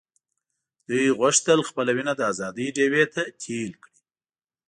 دوی غوښتل خپله وینه د آزادۍ ډیوې ته تېل کړي.